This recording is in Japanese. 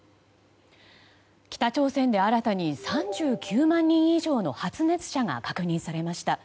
北朝鮮で新たに３９万人以上の発熱者が確認されました。